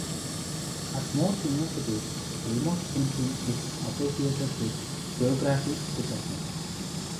At most universities remote sensing is associated with Geography departments.